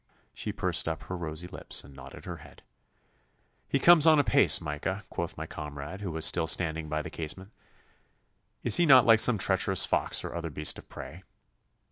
She pursed up her rosy lips and nodded her head. 'He comes on apace, Micah,' quoth my comrade, who was still standing by the casement. 'Is he not like some treacherous fox or other beast of prey?